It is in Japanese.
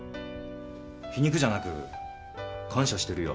皮肉じゃなく感謝してるよ